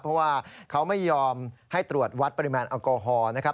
เพราะว่าเขาไม่ยอมให้ตรวจวัดปริมาณแอลกอฮอล์นะครับ